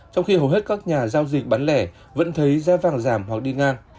trong khi hầu hết các nhà giao dịch bán lẻ vẫn thấy giá vàng giảm hoặc đi ngang